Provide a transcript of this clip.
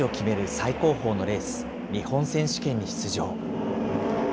最高峰のレース、日本選手権に出場。